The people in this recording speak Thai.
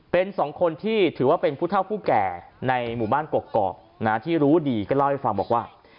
เป็นสองคนที่ถือว่าเป็นผู้เท่าผู้แก่ในหมู่บ้านกกอกที่รู้ดีก็เล่าให้ฟังบอกว่า